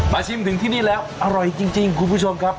ชิมถึงที่นี่แล้วอร่อยจริงคุณผู้ชมครับ